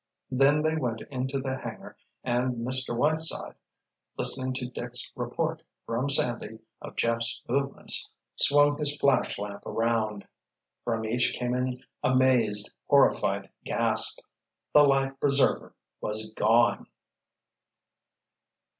Then they went into the hangar and Mr. Whiteside, listening to Dick's report, from Sandy, of Jeff's movements, swung his flashlamp around. From each came an amazed, horrified gasp. The life preserver was gone!